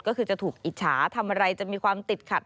ก็คือจะถูกอิจฉาทำอะไรจะมีความติดขัด